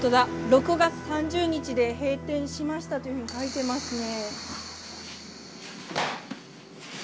「６月３０日で閉店しました」というふうに書いていますね。